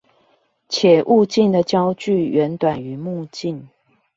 且物鏡的焦距遠短於目鏡